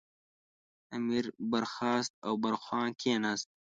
امیر برخاست او برخوان کېناست.